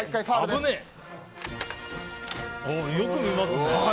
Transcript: おおよく見ますね。